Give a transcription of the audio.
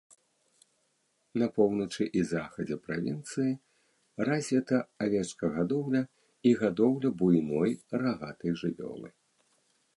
На поўначы і захадзе правінцыі развіта авечкагадоўля і гадоўля буйной рагатай жывёлы.